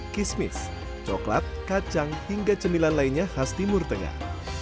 kismis coklat kacang hingga cemilan lainnya khas timur tengah